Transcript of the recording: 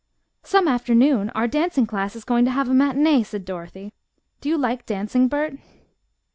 "Some afternoon our dancing class is going to have a matinee," said Dorothy. "Do you like dancing, Bert?"